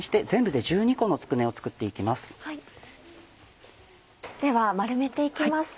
では丸めて行きます。